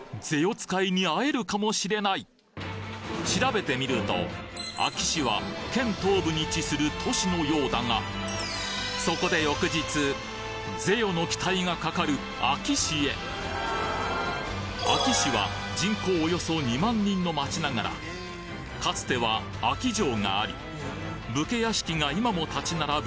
使いに会えるかもしれない調べてみると安芸市は県東部に位置する都市のようだがそこで「ぜよ」の期待がかかる安芸市へ安芸市は人口およそ２万人の町ながらかつては安芸城があり武家屋敷が今も立ち並ぶ